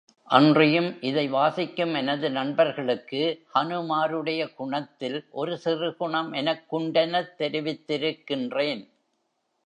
அன்றியும், இதை வாசிக்கும் எனது நண்பர்களுக்கு ஹனுமாருடைய குணத்தில் ஒரு சிறு குணம் எனக்குண்டெனத் தெரிவித்திருக்கின்றேன்!